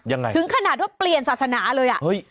ยังไงถึงขนาดว่าเปลี่ยนศาสนาเลยอ่ะเฮ้ย